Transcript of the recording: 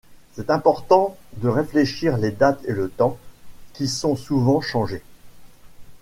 C´est important de réfléchir les dates et le temps, qui sont souvent changées.